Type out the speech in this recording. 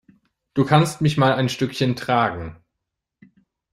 Du kannst mich mal ein Stückchen tragen.